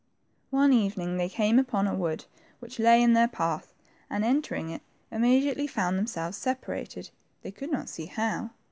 One evening they came upon a wOod which lay in their path, and, entering it, immediately found them selves separated, they could not see how.